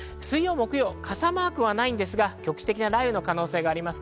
水曜、木曜、傘マークはないんですが局地的な雷雨の可能性があります。